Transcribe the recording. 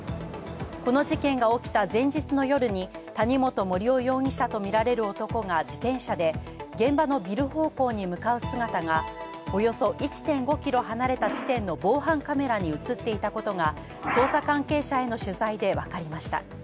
この事件が起きた前日の夜に谷本盛雄容疑者とみられる男が自転車で現場のビルの方向に向かう姿がおよそ１．５キロ離れた地点の防犯カメラに写っていたことが捜査関係者への取材でわかりました。